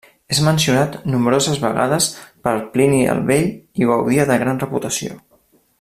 És mencionat nombroses vegades per Plini el Vell i gaudia de gran reputació.